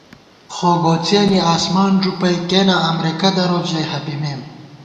خوگوڅِیَنی آسمان ݫُپَئ، کېنا امرېکہ تروت ژَئی ہَپِمېم